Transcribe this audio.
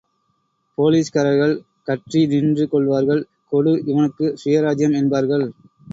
போலீஸ்காரர்கள் கற்றி நின்று கொள்வார்கள், கொடு இவனுக்கு சுயராச்சியம் என்பார்கள்.